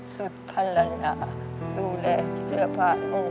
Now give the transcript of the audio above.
สุภารณาดูแลเชื้อผ้านม